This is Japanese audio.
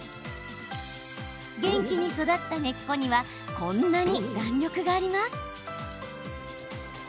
元気に育った根っこはこんなに弾力があります。